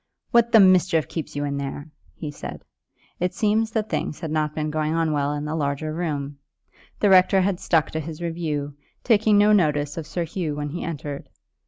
"What the mischief keeps you in there?" he said. It seemed that things had not been going well in the larger room. The rector had stuck to his review, taking no notice of Sir Hugh when he entered.